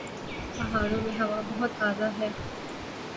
پہاڑوں میں ہوا بہت تازہ ہے۔